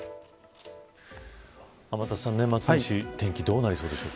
天達さん、年末年始天気どうなるでしょ